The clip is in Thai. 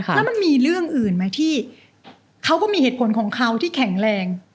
แล้วมันมีเรื่องอื่นไหมที่เขาก็มีเหตุผลของเขาที่แข็งแรง